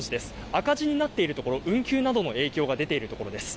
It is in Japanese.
赤字になっているところ、運休などの影響が出ているところです。